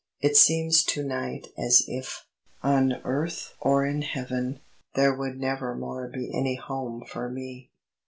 It seems to night as if, on earth or in heaven, there would never more be any home for me."